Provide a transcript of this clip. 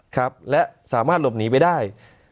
ครับและสามารถหลบหนีไปได้